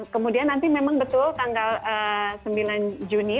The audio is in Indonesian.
kemudian nanti memang betul tanggal sembilan juni